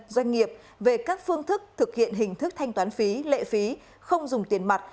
doanh nghiệp về các phương thức thực hiện hình thức thanh toán phí lệ phí không dùng tiền mặt